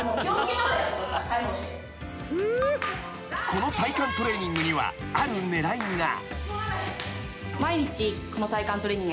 ［この体幹トレーニングにはある狙いが］